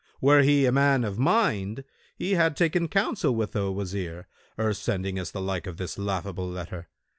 Were he a man of mind, he had taken counsel with a Wazir, ere sending us the like of this laughable letter.